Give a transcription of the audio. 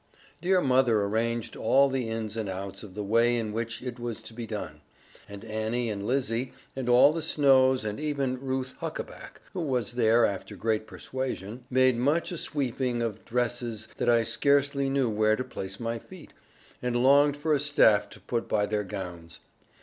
Dear mother arranged all the ins and outs of the way in which it was to be done; and Annie and Lizzie, and all the Snowes, and even Ruth Huckaback (who was there, after great persuasion), made such a sweeping of dresses that I scarcely knew where to place my feet, and longed for a staff to put by their gowns.